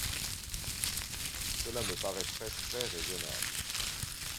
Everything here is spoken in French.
Cela me paraîtrait très raisonnable.